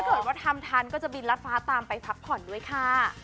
เกิดว่าทำทันก็จะบินรัดฟ้าตามไปพักผ่อนด้วยค่ะ